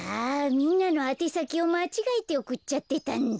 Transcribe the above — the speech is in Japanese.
みんなのあてさきをまちがえておくっちゃってたんだ。